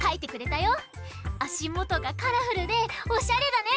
あしもとがカラフルでおしゃれだね！